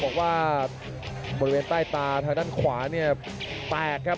กระโดยสิ้งเล็กนี่ออกกันขาสันเหมือนกันครับ